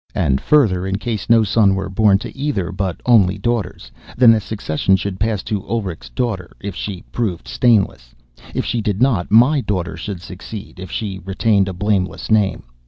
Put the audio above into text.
And further, in case no son, were born to either, but only daughters, then the succession should pass to Ulrich's daughter, if she proved stainless; if she did not, my daughter should succeed, if she retained a blameless name.